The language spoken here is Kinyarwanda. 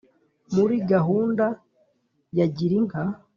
muri gahunda ya girinka